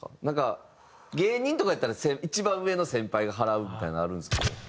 なんか芸人とかやったら一番上の先輩が払うみたいなのあるんですけど。